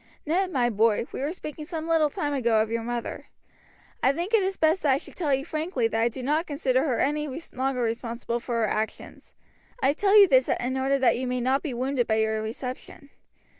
"Ned, my boy, we were speaking some little time ago of your mother. I think it is best that I should tell you frankly that I do not consider her any longer responsible for her actions. I tell you this in order that you may not be wounded by your reception.